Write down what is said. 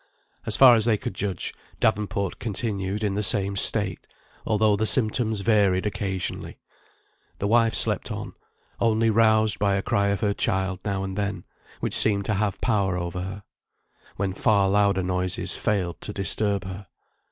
As far as they could judge, Davenport continued in the same state, although the symptoms varied occasionally. The wife slept on, only roused by a cry of her child now and then, which seemed to have power over her, when far louder noises failed to disturb her.